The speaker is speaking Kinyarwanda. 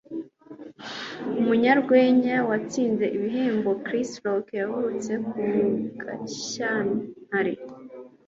Umunyarwenya watsindiye ibihembo Chris Rock yavutse ku ya Gashyantare .